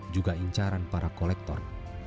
juga incaran para kolektor